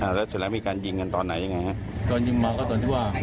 เป็นเรื่องปืนไม่มีความรู้หรอกเดี๋ยวเราว่าเป็นปืนยาว